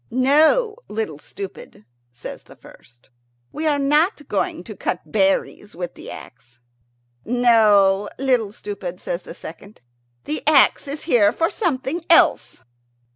"No, Little Stupid," says the first, "we are not going to cut berries with the axe." "No, Little Stupid," says the second; "the axe is here for something else."